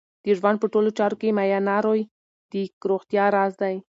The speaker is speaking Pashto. د ژوند په ټولو چارو کې میانه روی د روغتیا راز دی.